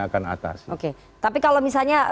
akan atas oke tapi kalau misalnya